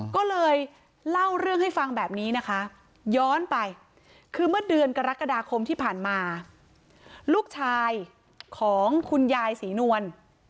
ก็เลยเล่าเรื่องให้ฟังแบบนี้นะคะย้อนไปคือเมื่อเดือนกรกฎาคมที่ผ่านมาลูกชายของคุณยายศรีนวล